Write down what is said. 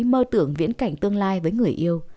mơ tưởng viễn cảnh tương lai với người yêu